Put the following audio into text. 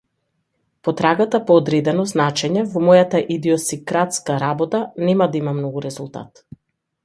Потрагата по одредено значење во мојата идиосинкратска работа нема да има многу резултат.